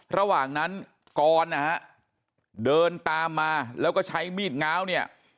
ระหว่างนั้นกรนะฮะเดินตามมาแล้วก็ใช้มีดง้าวเนี่ย